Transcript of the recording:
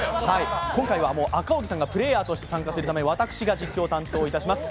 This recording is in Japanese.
今回はもう赤荻さんがプレーヤーとして参加するため私が実況を担当いたします。